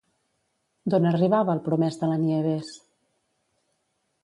D'on arribava el promès de la Nieves?